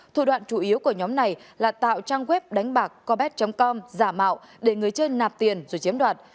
thủ đoạn chủ yếu của nhóm này là tạo trang web đánh bạc copet com giả mạo để người chơi nạp tiền rồi chiếm đoạt